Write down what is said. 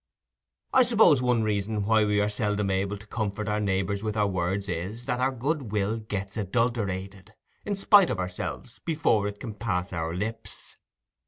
I suppose one reason why we are seldom able to comfort our neighbours with our words is that our goodwill gets adulterated, in spite of ourselves, before it can pass our lips.